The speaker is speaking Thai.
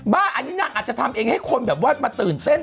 อันนี้นางอาจจะทำเองให้คนแบบว่ามาตื่นเต้น